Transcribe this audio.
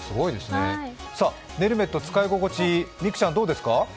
ねるメット、使い心地、美空ちゃん、どうですか？